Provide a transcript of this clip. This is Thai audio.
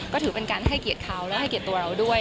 ก็ถือเป็นการให้เกียรติเขาและให้เกียรติตัวเราด้วย